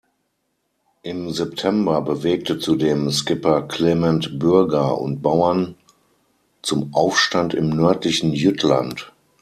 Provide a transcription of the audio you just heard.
Im September bewegte zudem Skipper Clement Bürger und Bauern zum Aufstand im nördlichen Jütland.